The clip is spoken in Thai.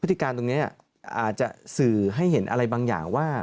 ติการตรงนี้อาจจะสื่อให้เห็นอะไรบางอย่างว่า